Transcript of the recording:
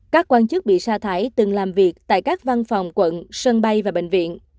các quan chức bị sa thải từng làm việc tại các văn phòng quận